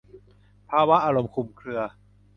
ภาวะอารมณ์คลุมเครือ